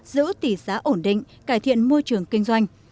giữ tỷ giá ổn định cải thiện môi trường kinh doanh